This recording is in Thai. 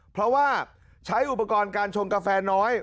เพราะว่าใช้อุปกรณ์การชงกาแฟน้อย